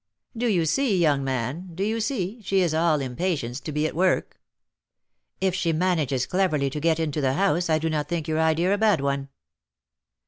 "Do you see, young man, do you see she is all impatience to be at work?" "If she manages cleverly to get into the house, I do not think your idea a bad one."